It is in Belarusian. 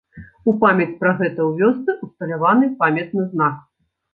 У памяць пра гэта ў вёсцы ўсталяваны памятны знак.